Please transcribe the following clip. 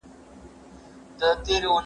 د زده کوونکو لپاره د لنډو کیسو کتابونه نه وو.